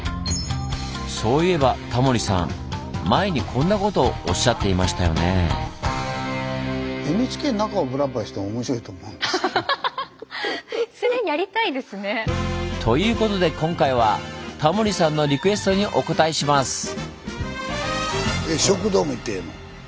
そういえばタモリさん前にこんなことおっしゃっていましたよね。ということで今回はタモリさんのリクエストにお応えします！